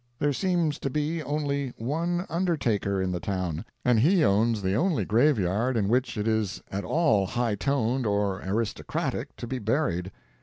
There seems to be only one undertaker in the town, and he owns the only graveyard in which it is at all high toned or aristocratic to be buried.